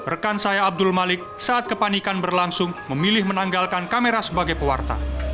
rekan saya abdul malik saat kepanikan berlangsung memilih menanggalkan kamera sebagai pewarta